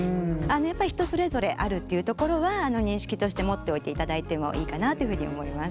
やっぱり人それぞれあるっていうところは認識として持っておいていただいてもいいかなっていうふうに思います。